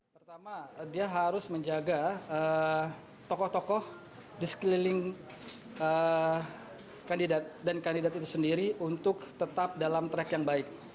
pertama dia harus menjaga tokoh tokoh di sekeliling kandidat dan kandidat itu sendiri untuk tetap dalam track yang baik